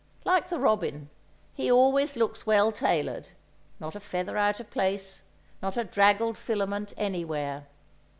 Like the robin, he always looks well tailored, not a feather out of place, not a draggled filament anywhere.